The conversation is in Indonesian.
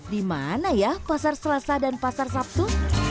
di mana ya pasar selasa dan pasar sabtu